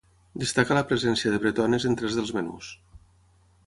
Destaca la presència de bretones en tres dels menús.